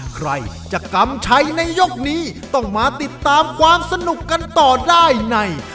ใครจะกำชัยในยกนี้ต้องมาติดตามความสนุกกันต่อได้ใน